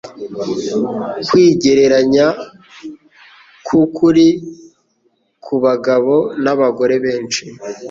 Kwigereranya kwukuri kubagabo n'abagore benshi